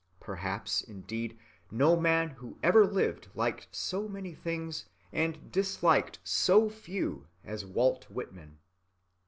Perhaps, indeed, no man who ever lived liked so many things and disliked so few as Walt Whitman.